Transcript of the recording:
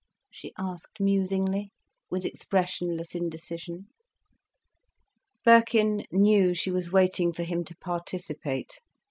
she asked musingly, with expressionless indecision. Birkin knew she was waiting for him to participate.